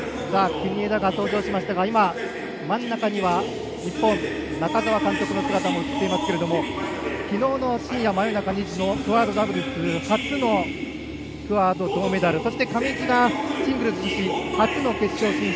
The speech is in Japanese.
国枝が登場しましたが今、真ん中には日本の監督の姿も映っていますけれどもきのうクアードダブルス初の銅メダルそして上地がシングルス自身初の決勝進出。